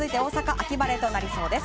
秋晴れとなりそうです。